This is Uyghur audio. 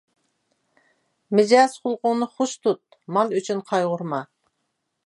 مىجەز خۇلقۇڭنى خوش تۇت، مال ئۈچۈن قايغۇرما.